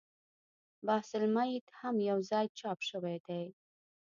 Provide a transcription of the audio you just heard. بحث المیت هم یو ځای چاپ شوی دی.